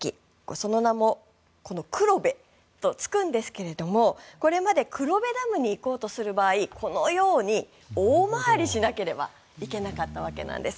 その名も黒部とつくんですけれどもこれまで黒部ダムに行こうとする場合このように大回りしなければいけなかったわけなんです。